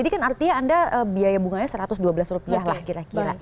ini kan artinya anda biaya bunganya satu ratus dua belas rupiah lah kira kira